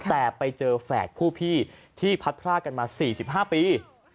แต่ไปเจอแฝดผู้พี่ที่พัดพรากกันมา๔๕ปี